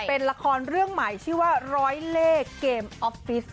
เป็นละครเรื่องใหม่ชื่อว่าร้อยเลขเกมออฟฟิศ